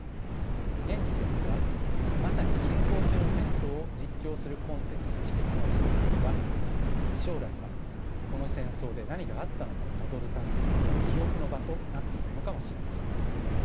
現時点ではまさに進行中の戦争を実況するコンテンツとして機能していますが将来はこの戦争で何があったのかをたどるための記憶の場となっていくのかもしれません。